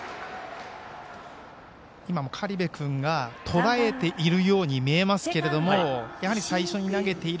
今も苅部君がとらえているように見えますけれども最初に投げている